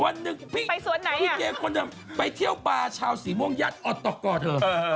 วันนึงพี่เกคคลเดิมไปเที่ยวบาร์ชาวสีม่วงยัดอตกรเทอม